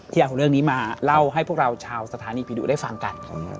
เอาเรื่องนี้มาเล่าให้พวกเราชาวสถานีผีดุได้ฟังกัน